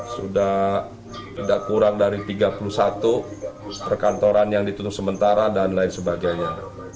sudah tidak kurang dari tiga puluh satu perkantoran yang ditutup sementara dan lain sebagainya